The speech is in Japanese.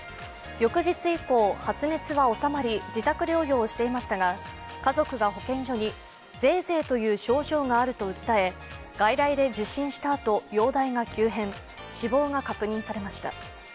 翌日以降、発熱は治まり、自宅療養をしていましたが家族が保健所に、ぜえぜえという症状があると訴え外来で受診したあと容体が急変死亡が確認されました。